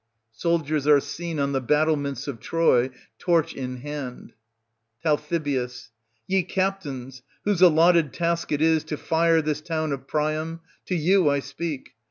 [Soldiers are seen on the battlements of Troy^ torch in hand, Tal. Ye captains, whose allotted task it is. to fire this town of Priam, to you I speak.